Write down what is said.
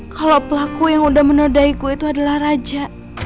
kalau pelaku yang udah menodaiku itu adalah raja